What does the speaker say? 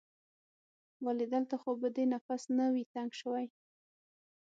ولې؟ دلته خو به دې نفس نه وي تنګ شوی؟